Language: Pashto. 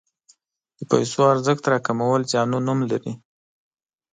د پیسو ارزښت راکمول زیانونه هم لري.